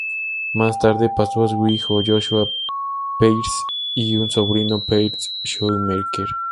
Más tarde pasó a su hijo, Joshua Peirce y un sobrino Peirce Shoemaker.